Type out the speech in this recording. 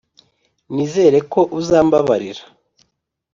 nizere ko uzambabarira.